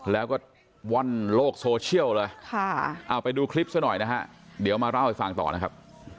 แล้วก็ว่อนโลกโซเชียลเลยเอาไปดูคลิปซะหน่อยนะฮะเดี๋ยวมาเล่าให้ฟังต่อนะครับ